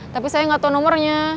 tapi saya gak tau nomernya